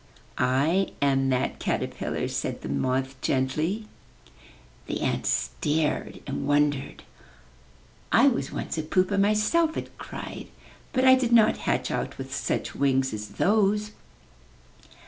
"I am that caterpillar," said the moth gently. The ant stared and wondered. "I was once a pupa myself," it cried. "But I did not hatch out with such wings as those."